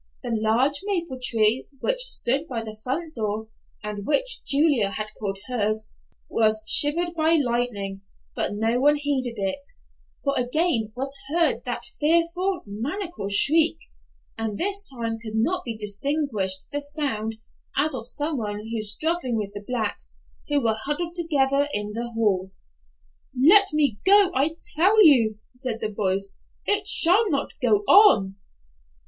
The large maple tree, which stood by the front door, and which Julia had called hers, was shivered by lightning, but no one heeded it, for again was heard that fearful, maniacal shriek, and this time could be distinguished the sound as of some one struggling with the blacks, who were huddled together in the hall. "Let me go, I tell you," said the voice. "It shall not go on!"